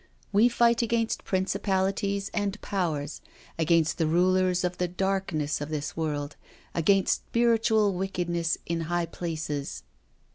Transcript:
' We fight against princi palities and powers, against the rulers of the darkness of this world, against spiritual wickedness in high places.